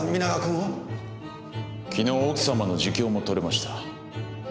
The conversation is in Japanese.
昨日奥様の自供も取れました。